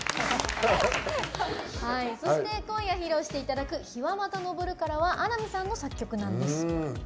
そして今夜披露していただく「陽はまた昇るから」は穴見さんの作曲なんです。